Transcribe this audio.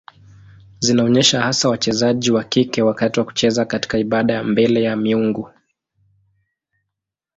Zinaonyesha hasa wachezaji wa kike wakati wa kucheza katika ibada mbele ya miungu.